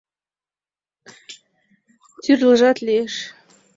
Тӱрлыжат лиеш...